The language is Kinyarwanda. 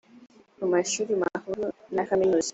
mu mashuri makuru na kaminuza